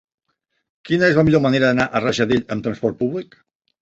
Quina és la millor manera d'anar a Rajadell amb trasport públic?